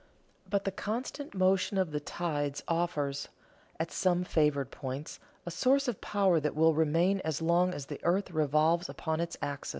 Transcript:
But the constant motion of the tides offers, at some favored points, a source of power that will remain as long as the earth revolves upon its axis.